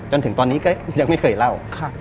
จนถึงตอนนี้ก็ยังไม่เคยเล่า